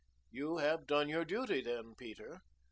"You have done your duty, then, Peter."